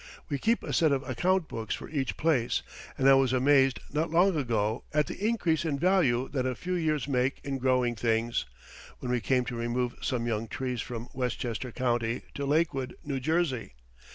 We keep a set of account books for each place, and I was amazed not long ago at the increase in value that a few years make in growing things, when we came to remove some young trees from Westchester County to Lakewood, New Jersey.